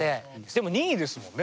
でも２位ですもんね。